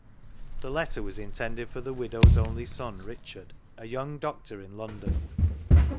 The letter was intended for the widow's only son Richard, a young doctor in London.